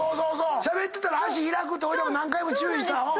しゃべってたら脚開くって俺が何回も注意した。